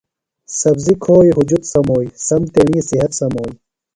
سبزیۡ کُھوئی ہُجت سموئی، سم تیݨی صحت سموئی